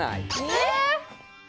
え？